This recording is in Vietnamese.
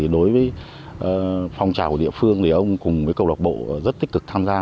đối với phong trào địa phương ông cùng với câu lạc bộ rất tích cực tham gia